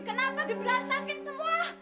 kenapa diberantakin semua